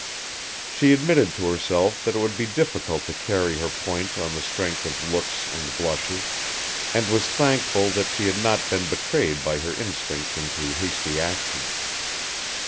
She admitted to herself that it would be difficult to carry her point on the strength of looks and blushes, and was thankful that she had not been betrayed by her instincts into hasty action.